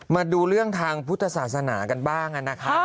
มาดูเรื่องทางพุทธศาสนากันบ้างนะครับ